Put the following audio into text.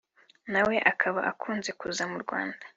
nawe akaba akunze kuza mu Rwanda